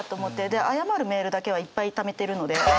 で謝るメールだけはいっぱいためてるので。